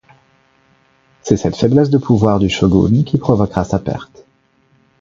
C'est cette faiblesse de pouvoir du shogun qui provoquera sa perte.